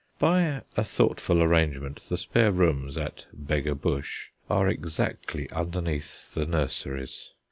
By a thoughtful arrangement the spare rooms at "Beggarbush" are exactly underneath the nurseries.